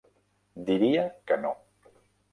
Diria que no.